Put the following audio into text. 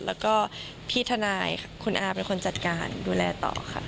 แล้วก็พี่ทนายคุณอาเป็นคนจัดการดูแลต่อค่ะ